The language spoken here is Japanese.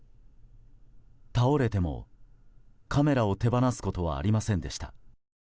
倒れても、カメラを手放すことはありませんでした。